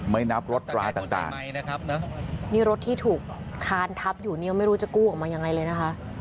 ไม่นับรถรายต่างนี่รถที่ถูกคานทับอยู่เนี่ยไม่รู้จะกู้ออกมายังไงเลยนะคะ